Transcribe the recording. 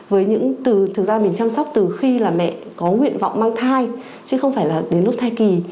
với những từ thực ra mình chăm sóc từ khi là mẹ có nguyện vọng mang thai chứ không phải là đến lúc thai kỳ